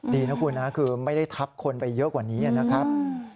ดีนะคุณนะคือไม่ได้ทับคนไปเยอะกว่านี้นะครับ